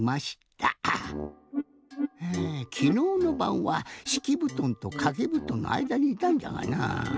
はあきのうのばんはしきぶとんとかけぶとんのあいだにいたんだがなぁ。